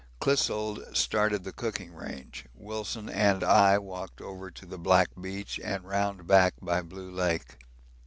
Clissold started the cooking range, Wilson and I walked over to the Black beach and round back by Blue Lake.